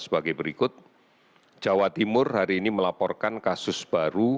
sebagai berikut jawa timur hari ini melaporkan kasus baru